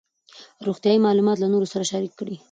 روغتیایي معلومات له نورو سره شریک کړئ.